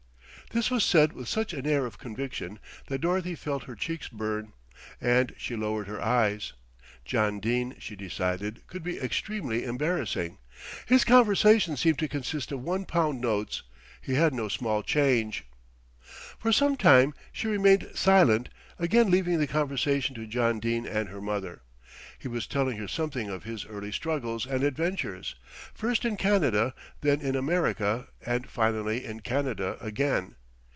This was said with such an air of conviction that Dorothy felt her cheeks burn, and she lowered her eyes. John Dene, she decided, could be extremely embarrassing. His conversation seemed to consist of one pound notes: he had no small change. For some time she remained silent, again leaving the conversation to John Dene and her mother. He was telling her something of his early struggles and adventures, first in Canada, then in America and finally in Canada again.